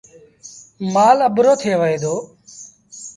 مآل اَڀرو ٿئي وهي دو۔